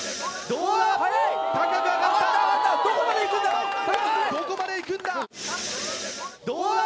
どこまで行くんだ？